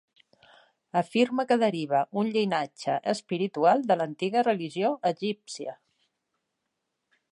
Afirma que deriva un llinatge espiritual de l'antiga religió egípcia.